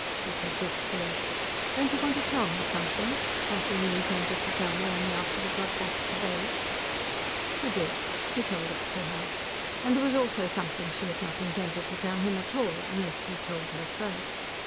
She said wistfully: "Don't you want to tell me something? Something you intended to tell me only after we got back to base?" He did. He told it to her. And there was also something she had not intended to tell him at all unless he told her first.